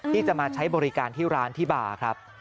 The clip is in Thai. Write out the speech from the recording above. ที่จะมาใช้บริการที่ร้านที่บาร์ครับ